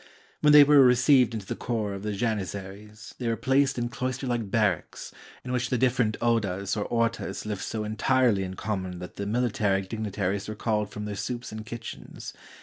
When they were re ceived into the corps of the Janizaries, they were placed in cloister like barracks, in which the different odas or orlas lived so entirely in common that the military digni taries were called from their soups and kitchens.